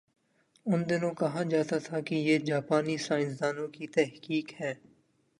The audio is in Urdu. ان دنوں کہا جاتا تھا کہ یہ جاپانی سائنس دانوں کی تحقیق ہے۔